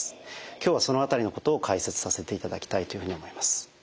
今日はその辺りのことを解説させていただきたいというふうに思います。